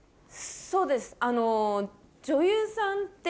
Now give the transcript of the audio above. そうです。